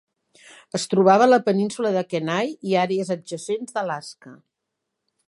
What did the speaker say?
Es trobava a la Península de Kenai i àrees adjacents d'Alaska.